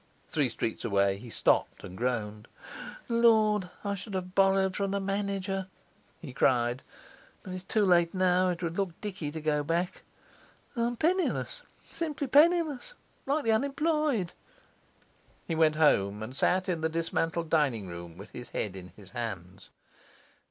Three streets away he stopped and groaned. 'Lord! I should have borrowed from the manager!' he cried. 'But it's too late now; it would look dicky to go back; I'm penniless simply penniless like the unemployed.' He went home and sat in the dismantled dining room with his head in his hands.